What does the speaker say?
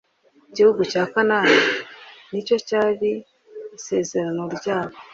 igihugu cya Kanaani nicyo cyari isezerano ryabo